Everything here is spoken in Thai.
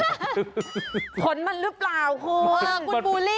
หลบขนมันหรือเปล่าคุณ